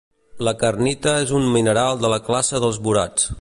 La kernita és un mineral de la classe dels borats.